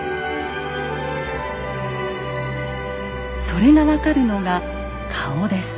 それが分かるのが顔です。